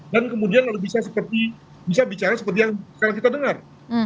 dan kemudian bisa bicara seperti yang sekarang kita dengar